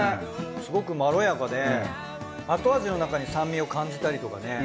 すごくまろやかで後味のなかに酸味を感じたりとかね。